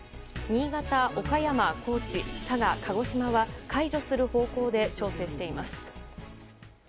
新潟、岡山、高知佐賀、鹿児島は解除する方向で調整しています。